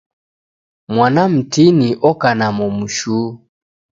Mwana mtini oka na momu shuu.